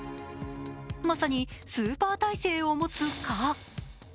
まさにスーパー耐性を持つ蚊。